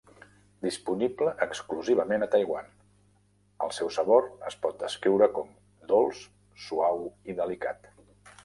Disponible exclusivament a Taiwan, el seu sabor es pot descriure com dolç, suau i delicat.